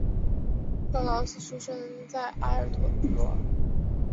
克劳斯出生在埃尔托罗。